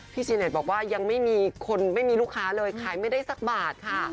ซีเน็ตบอกว่ายังไม่มีคนไม่มีลูกค้าเลยขายไม่ได้สักบาทค่ะ